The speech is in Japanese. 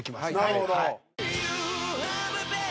なるほど。